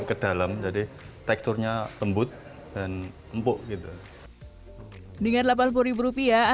kedalam jadi teksturnya tembut dan empuk gitu dengan rp delapan puluh anda sudah bisa merasakan kelezatan